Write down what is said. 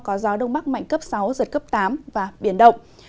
có gió đông bắc mạnh cấp sáu giật cấp tám và biển động